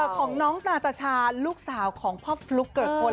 ของน้องตาตาชาลูกสาวของพ่อฟลุ๊กเกิกพล